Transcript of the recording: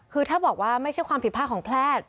คือถ้าบอกว่าไม่ใช่ความผิดพลาดของแพทย์